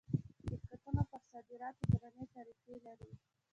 شرکتونه پر صادراتو درنې تعرفې لري.